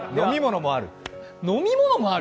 飲み物もある。